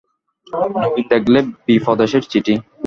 নবীন দেখলে বিপ্রদাসের চিঠি।